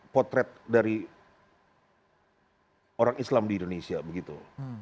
potret dari orang islam di indonesia begitu